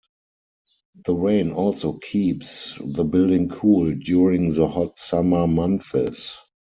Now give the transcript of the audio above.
The rain also keeps the building cool during the hot summer months.